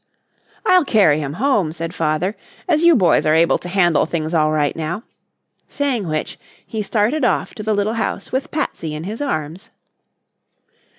"I'll carry him home," said Father, "as you boys are able to handle things all right now," saying which, he started off to the little house with Patsy in his arms.